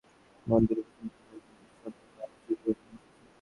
চট্টগ্রামের হাটহাজারীতে একটি মন্দিরে প্রতিমার হাত ভেঙে সোনার বালা চুরির ঘটনা ঘটেছে।